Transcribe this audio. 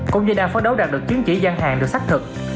công ty đã phó đấu đạt được chứng chỉ gian hàng được xác thực